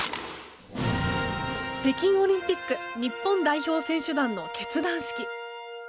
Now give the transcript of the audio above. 北京オリンピック日本代表選手団の結団式。